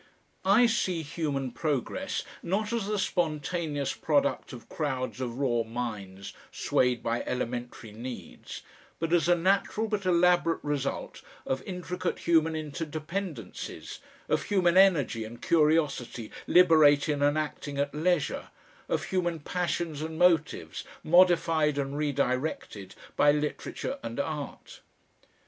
I see human progress, not as the spontaneous product of crowds of raw minds swayed by elementary needs, but as a natural but elaborate result of intricate human interdependencies, of human energy and curiosity liberated and acting at leisure, of human passions and motives, modified and redirected by literature and art....